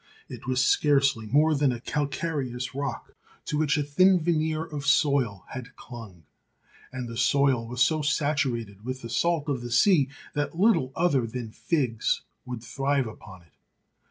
It was scarcely more than a calcareous rock to which a thin veneer of soil had clung, and the soil was so saturated with the salt of the sea that little other than figs would thrive upon it.